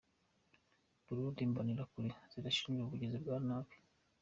Burundi: Imbonerakure zirashinjwa ubugizi bwa nabi.